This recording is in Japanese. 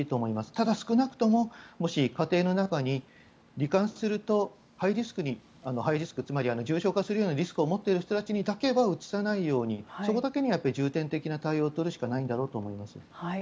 ただ、少なくとももし家庭の中にり患するとハイリスクつまり重症化するリスクを持っている人たちにだけはうつさないようにそこだけに重点的な対応を取るしかないんだろうと思います。